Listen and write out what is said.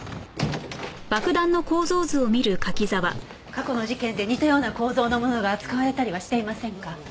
過去の事件で似たような構造のものが使われたりはしていませんか？